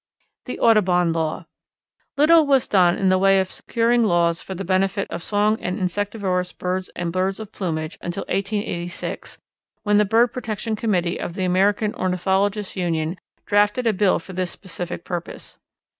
The Audubon Law. Little was done in the way of securing laws for the benefit of song and insectivorous birds and birds of plumage until 1886, when the bird protection committee of the American Ornithologists' Union drafted a bill for this specific purpose.